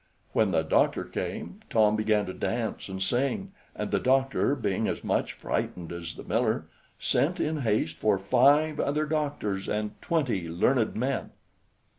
When the doctor came, Tom began to dance and sing; and the doctor, being as much frightened as the miller, sent in haste for five other doctors and twenty learned men.